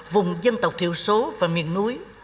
vùng dân tộc thiểu số và miền núi